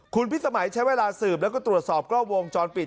คุณพิสมัยใช้เวลาสืบแล้วก็ตรวจสอบกล้องวงจรปิด